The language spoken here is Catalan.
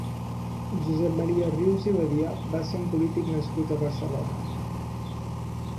Josep Maria Rius i Badia va ser un polític nascut a Barcelona.